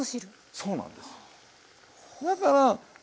そうなんですよ。